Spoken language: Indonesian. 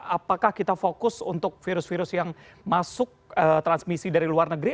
apakah kita fokus untuk virus virus yang masuk transmisi dari luar negeri